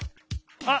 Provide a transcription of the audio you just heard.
あっ！